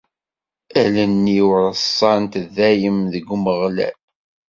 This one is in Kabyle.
Allen-iw reṣṣant dayem deg Umeɣlal.